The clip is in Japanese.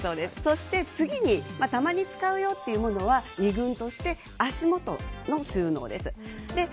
次に、たまに使うよというものは２軍として足もとの収納です。